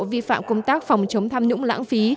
vi phạm công tác phòng chống tham nhũng lãng phí